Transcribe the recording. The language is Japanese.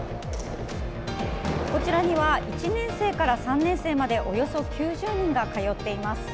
こちらには１年生から３年生までおよそ９０人が通っています。